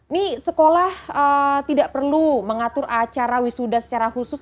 ini sekolah tidak perlu mengatur acara wisuda secara khusus